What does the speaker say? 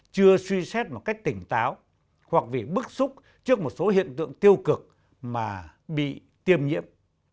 chưa suy xét một cách tỉnh táo hoặc vì bức xúc trước một số hiện tượng tiêu cực mà bị tiêm nhiễm